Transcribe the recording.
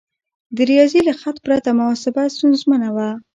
د ریاضي له خط پرته محاسبه ستونزمنه وه.